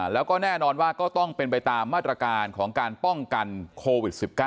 แล้วก็แน่นอนว่าก็ต้องเป็นไปตามมาตรการของการป้องกันโควิด๑๙